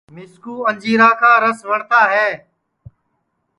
مِسکُو اَنجیرا کا رس وٹؔتا ہے